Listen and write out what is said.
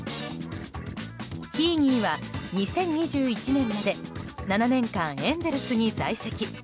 ヒーニーは、２０２１年まで７年間エンゼルスに在籍。